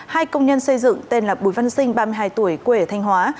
hai công nhân xây dựng tên là bùi văn sinh ba mươi hai tuổi quê ở thanh hóa